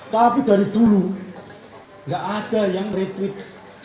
tapi dari dulu nggak ada yang retweet